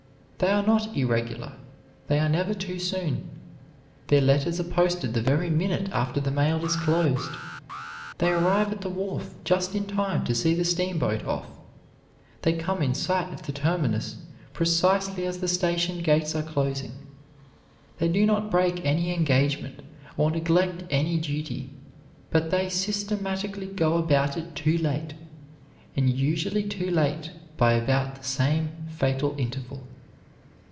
They are not irregular. They are never too soon. Their letters are posted the very minute after the mail is closed. They arrive at the wharf just in time to see the steamboat off, they come in sight of the terminus precisely as the station gates are closing. They do not break any engagement or neglect any duty; but they systematically go about it too late, and usually too late by about the same fatal interval."